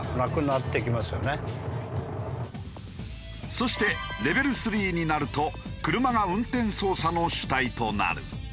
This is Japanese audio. そしてレベル３になると車が運転操作の主体となる。